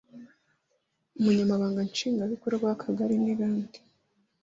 umunya mabanga nshingwabikorwa w akagari n abandi